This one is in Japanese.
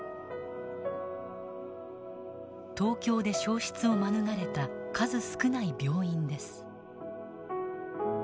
東京で焼失を免れた数少ない病院です。